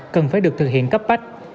cần phải được thực hiện cấp bách